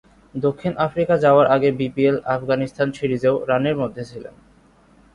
দক্ষিণ আফ্রিকা যাওয়ার আগে বিপিএল, আফগানিস্তান সিরিজেও রানের মধ্যে ছিলেন।